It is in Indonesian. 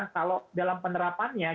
kalau dalam penerapannya